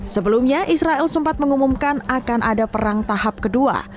sebelumnya israel sempat mengumumkan akan ada perang tahap kedua